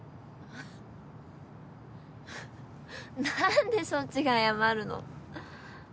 何でそっちが謝るの？